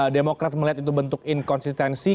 demokrat melihat itu bentuk inkonsistensi